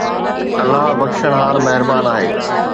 الله بخشڻھار مھربان آھي